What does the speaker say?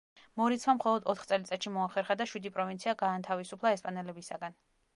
მორიცმა მხოლოდ ოთხ წელიწადში მოახერხა და შვიდი პროვინცია გაანთავისუფლა ესპანელებისაგან.